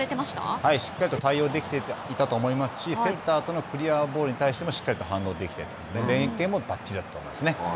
しっかりと対応できていたと思いますし競ったあとのクリアボールに対してもしっかりと反応できていたので、連係もばっちりだったと思いますね。